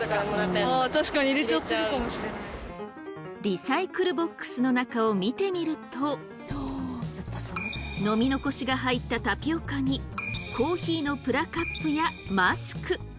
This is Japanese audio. リサイクルボックスの中を見てみると飲み残しが入ったタピオカにコーヒーのプラカップやマスク。